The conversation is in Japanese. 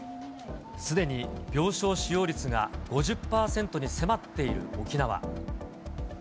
すでに病床使用率が５０％に迫っている沖縄。